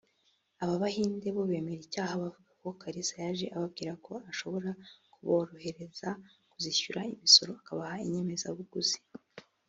Aba Bahinde bo bemera icyaha bavuga ko Kalisa yaje ababwira ko ashobora kuborohereza kuzishyura imisoro akabaha inyemezabuguzi